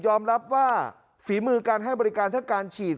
รับว่าฝีมือการให้บริการทั้งการฉีด